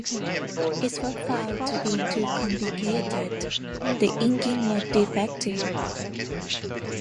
It was found to be too complicated; the inking was defective.